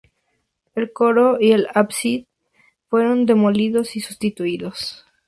El coro y el ábside fueron demolidos y sustituidos.